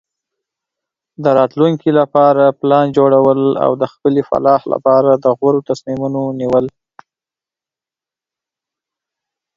د راتلونکي لپاره پلان جوړول او د خپلې فلاح لپاره د غوره تصمیمونو نیول.